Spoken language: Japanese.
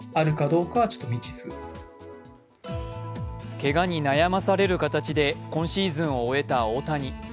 けがに悩まされる形で今シーズンを終えた大谷。